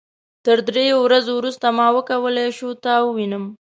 تر دریو ورځو وروسته ما وکولای شو تا ووينم.